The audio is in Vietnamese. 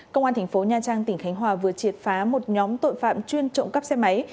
công an thành phố nha trang tỉnh khánh hòa vừa triệt phá một nhóm tội phạm chuyên trộm cắp xe máy